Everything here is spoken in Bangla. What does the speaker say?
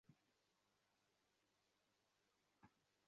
দুপুর বেলা খাইবার জন্য অপু গিয়া অজয়কে ডাকিয়া আনিল।